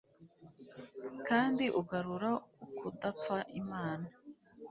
Kandi ugarura ukudapfa imana